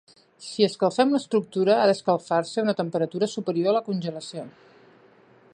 Si escalfem l"estructura, ha d"escalfar-se a una temperatura superior a la congelació.